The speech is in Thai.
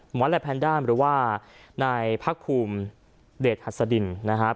หมอแหละแพนด้าหรือว่าในภาคภูมิเดชฮัศดินนะฮะ